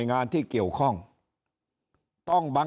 ถ้าท่านผู้ชมติดตามข่าวสาร